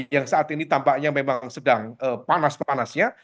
yang saat ini tampaknya memang sedang panas panasnya